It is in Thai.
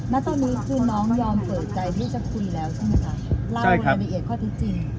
แล้วตอนนี้คือน้องยอมเปิดใจที่จะคุยแล้วใช่ไหมคะ